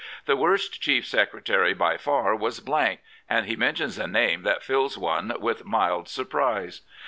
" The worst Chief Secretary by far was /' and he mentions a name that fills one with mild surprise.